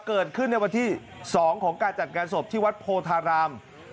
เกิดขึ้นในวันที่๒ของการจัดงานศพที่วัดโพธาราม